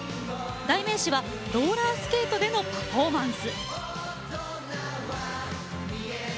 代名詞はローラスケートでのパフォーマンス。